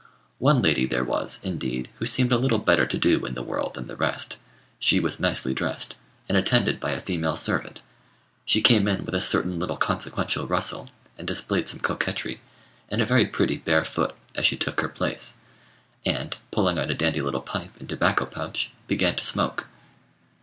One lady there was, indeed, who seemed a little better to do in the world than the rest; she was nicely dressed, and attended by a female servant; she came in with a certain little consequential rustle, and displayed some coquetry, and a very pretty bare foot, as she took her place, and, pulling out a dandy little pipe and tobacco pouch, began to smoke.